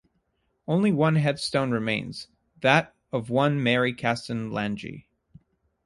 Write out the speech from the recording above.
Only one headstone remains, that of one Mary Caston Langey.